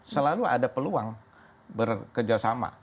selalu ada peluang bekerjasama